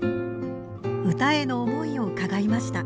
唄への思いを伺いました。